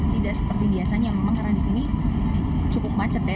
tidak seperti biasanya memang karena disini cukup macet ya